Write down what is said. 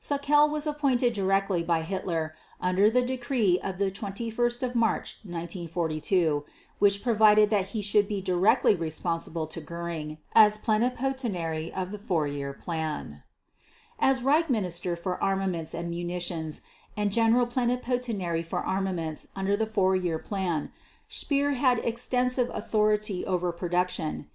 Sauckel was appointed directly by Hitler, under the decree of 21 March 1942, which provided that he should be directly responsible to Göring, as Plenipotentiary of the Four Year Plan. As Reich Minister for Armaments and Munitions and General Plenipotentiary for Armaments under the Four Year Plan, Speer had extensive authority over production.